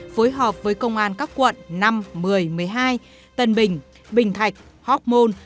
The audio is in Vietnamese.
phối hợp với công an các quận năm một mươi một mươi hai tân bình bình thạch hóc môn